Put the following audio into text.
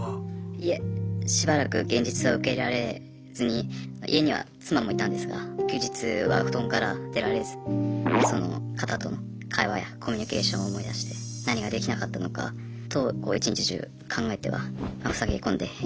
いえしばらく現実を受け入れられずに家には妻もいたんですが休日は布団から出られずその方との会話やコミュニケーションを思い出して何かできなかったのかと一日中考えては塞ぎ込んでいました。